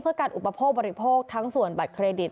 เพื่อการอุปโภคบริโภคทั้งส่วนบัตรเครดิต